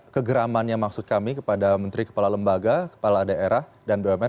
kegeramannya maksud kami kepada menteri kepala lembaga kepala daerah dan bumn